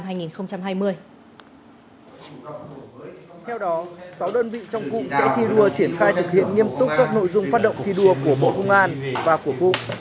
theo đó sáu đơn vị trong cụm sẽ thi đua triển khai thực hiện nghiêm túc các nội dung phát động thi đua của bộ công an và của cụ